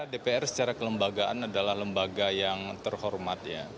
dpr secara kelembagaan adalah lembaga yang terhormat